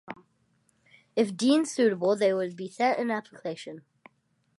If deemed suitable, they would be sent an application.